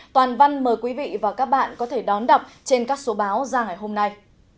toàn văn mời quý vị và các bạn có thể đón đọc trên các số báo ra ngày hôm nay